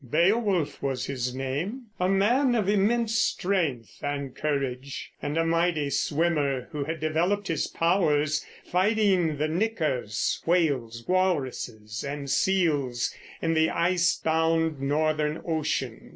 Beowulf was his name, a man of immense strength and courage, and a mighty swimmer who had developed his powers fighting the "nickers," whales, walruses and seals, in the icebound northern ocean.